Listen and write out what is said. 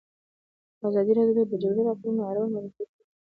ازادي راډیو د د جګړې راپورونه اړوند مرکې کړي.